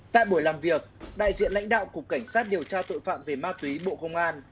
tại buổi làm việc đại diện lãnh đạo cục cảnh sát điều tra tội phạm về ma túy bộ công an